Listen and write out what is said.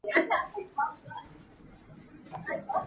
Sunparnak le lianhngannak cu na ta si ko hna seh.